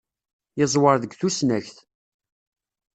Yeẓwer deg tusnakt.